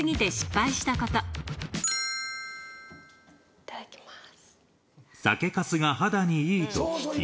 いただきます。